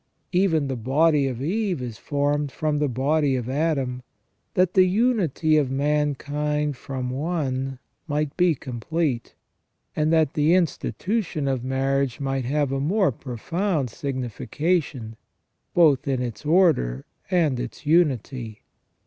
Even the body of Eve is formed from the body of Adam, that the unity of mankind from one might be complete, and that the institution of marriage might have a more profound signification, both in its order and its unity.